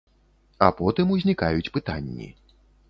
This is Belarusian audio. А потым узнікаюць пытанні.